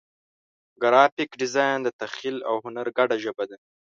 ګرافیک ډیزاین د تخیل او هنر ګډه ژبه ده.